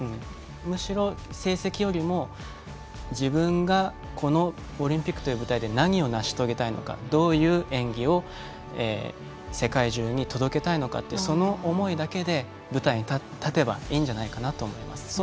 むしろ成績よりも自分がこのオリンピックという舞台で何を成し遂げたいのかどういう演技を世界中に届けたいのかその思いだけで舞台に立てばいいんじゃないかなと思います。